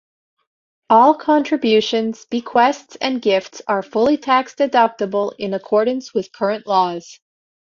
All contributions, bequests, and gifts are fully tax-deductible in accordance with current laws.